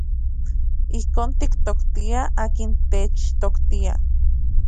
Ijkon tiktoktiaj akin techtoktia.